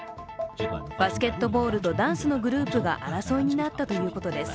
バスケットボールとダンスのグループが争いになったということです。